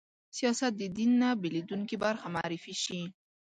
سیاست د دین نه بېلېدونکې برخه معرفي شي